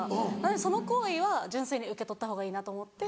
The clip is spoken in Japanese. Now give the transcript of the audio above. その行為は純粋に受け取った方がいいなと思って。